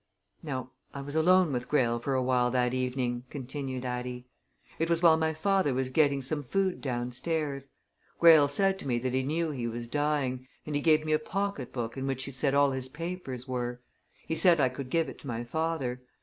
"Now, I was alone with Greyle for awhile that evening," continued Addie. "It was while my father was getting some food downstairs. Greyle said to me that he knew he was dying, and he gave me a pocket book in which he said all his papers were: he said I could give it to my father.